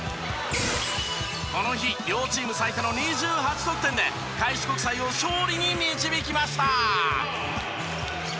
この日両チーム最多の２８得点で開志国際を勝利に導きました。